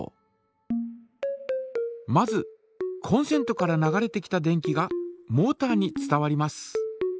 まずコンセントから流れてきた電気がモータに伝わります。